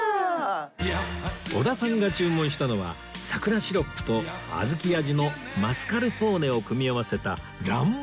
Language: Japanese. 織田さんが注文したのは桜シロップと小豆味のマスカルポーネを組み合わせた爛漫桜